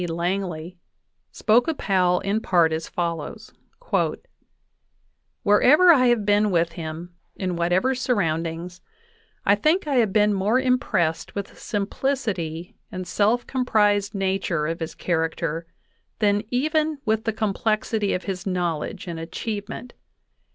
Langley, spoke of Powell in part as follows : "Wherever I have been with him, in whatever surroundings, I think I have been more impressed with the simplicity and self comprised nature of his character than even with the complexity of his knowledge and achievement.